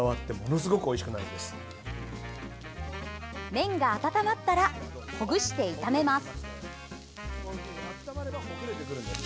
麺が温まったらほぐして炒めます。